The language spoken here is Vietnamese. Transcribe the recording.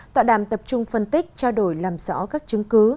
tọa đàm tập trung phân tích trao đổi làm rõ các chứng cứ